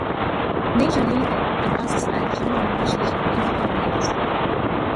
Major label advances are generally much larger than independent labels can offer.